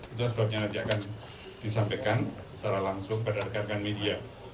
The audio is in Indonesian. itu sebabnya nanti akan disampaikan secara langsung pada rekan rekan media